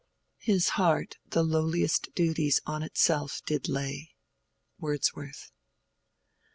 "His heart The lowliest duties on itself did lay." —WORDSWORTH.